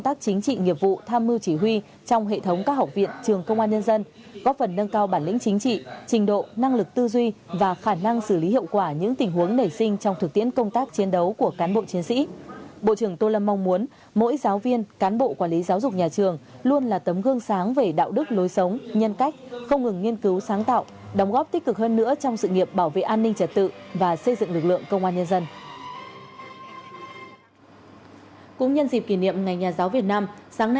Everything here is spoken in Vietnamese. thưa quý vị các đồng chí và các bạn nhân dịp kỷ niệm ba mươi bảy năm ngày nhà giáo việt nam sáng nay đại tướng tô lâm ủy viên bộ chính trị bộ công an nhân dân